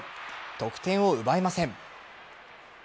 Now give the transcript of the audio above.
得点を奪えません。